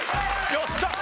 よっしゃ！